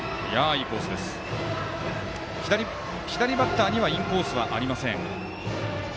左バッターにはインコースはありません。